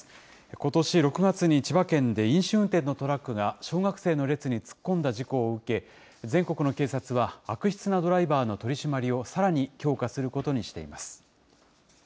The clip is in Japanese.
ことし６月に千葉県で飲酒運転のトラックが、小学生の列に突っ込んだ事故を受け、全国の警察は悪質なドライバーの取締りをさらに強化することにしています。